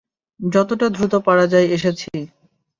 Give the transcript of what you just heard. যতটা দ্রুত পারা যায়, এসেছি।